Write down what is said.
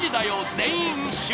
全員集合』］